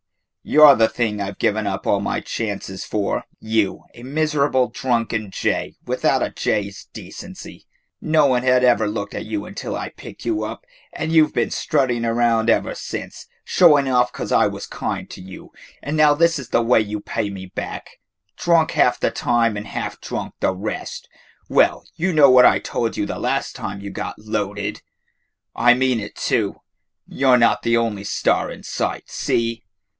"You 're the thing I 've given up all my chances for you, a miserable, drunken jay, without a jay's decency. No one had ever looked at you until I picked you up and you 've been strutting around ever since, showing off because I was kind to you, and now this is the way you pay me back. Drunk half the time and half drunk the rest. Well, you know what I told you the last time you got 'loaded'? I mean it too. You 're not the only star in sight, see?"